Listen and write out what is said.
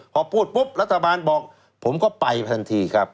พอพูดปุ๊บรัฐบาลบอกผมก็ไปทันทีครับ